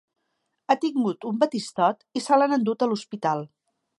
Ha tingut un batistot i se l'han endut a l'hospital.